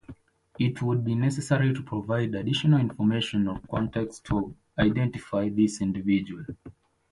It would be necessary to provide additional information or context to identify this individual.